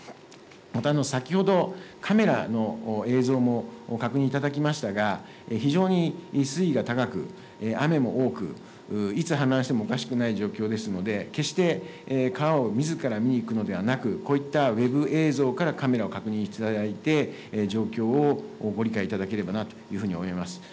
また、先ほどカメラの映像も確認いただきましたが、非常に水位が高く、雨も多く、いつ氾濫してもおかしくない状況ですので、決して川をみずから見に行くのではなく、こういったウェブ映像からカメラを確認していただいて、状況をご理解いただければなというふうに思います。